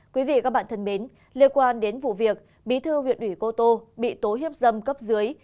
quý vị và các bạn thân mến liên quan đến vụ việc bí thư huyện ủy cô tô bị tố hiếp dâm cấp dưới